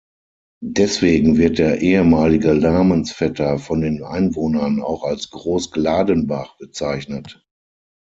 Deswegen wird der ehemalige Namensvetter von den Einwohnern auch als „Groß-Gladenbach“ bezeichnet.